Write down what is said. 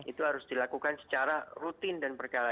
itu harus dilakukan secara rutin dan berkala